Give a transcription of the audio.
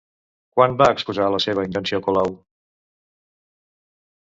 Quan va exposar la seva intenció Colau?